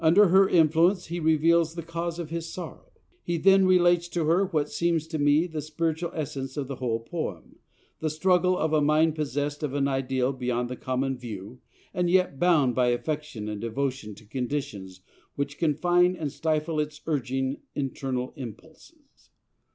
Under her influence he reveals the cause of his sorrow. He then relates to her what seems to me the spiritual essence of the whole poem, the struggle of a mind possessed of an ideal beyond the common view, and yet bound by affection and devotion to conditions which confine and stifle its urging internal impulses.